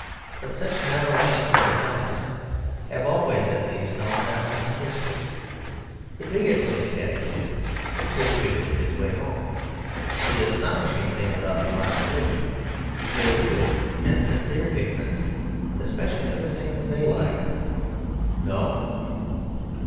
But such narrow things in the past have always at least known their own history; the bigot knew his catechism; the patriot knew his way home. The astonishing thing about the modern rich is their real and sincere ignorance especially of the things they like. No!